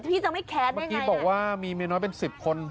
พี่จะไม่แค้นได้ไงบอกว่ามีแมวน้อยเป็น๑๐คน